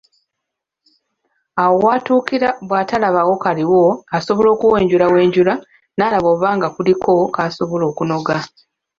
Awo w’atuukira bw’atalabawo kaliwo asobola okuwenjulawenjula n’alaba oba nga kuliko k’asobola okunoga.